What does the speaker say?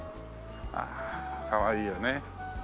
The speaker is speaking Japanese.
ああかわいいよね。